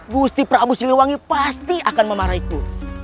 gusti prabu siliwangi pasti akan memarahiku